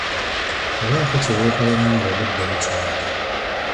Baako kye weekolerawo nga obudde bukyali.